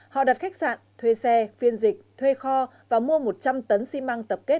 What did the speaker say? họ đặt khách sạn thuê xe phiên dịch thuê kho và mua một trăm linh tấn xi măng tập kết